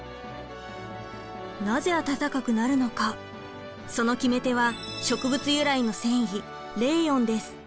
なぜ暖かくなるのかその決め手は植物由来の繊維レーヨンです。